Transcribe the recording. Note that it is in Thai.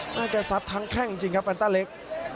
น่าจะสับทั้งแข่งจริงครับแฟนตาเล็ก